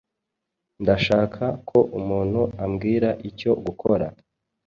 Ndashaka ko umuntu ambwira icyo gukora.